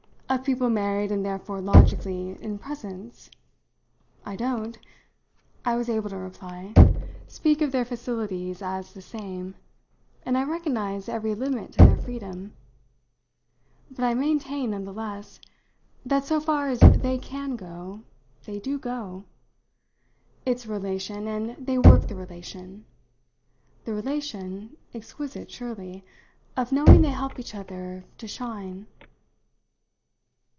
"Of people married and therefore logically in presence? I don't," I was able to reply, "speak of their facilities as the same, and I recognise every limit to their freedom. But I maintain, none the less, that so far as they can go, they do go. It's a relation, and they work the relation: the relation, exquisite surely, of knowing they help each other to shine.